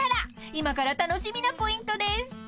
［今から楽しみなポイントです］